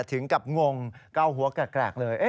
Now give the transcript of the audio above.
ถึงกับงงเก้าหัวแกรกเลย